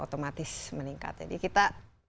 otomatis meningkat jadi kita